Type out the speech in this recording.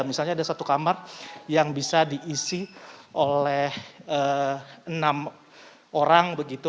misalnya ada satu kamar yang bisa diisi oleh enam orang begitu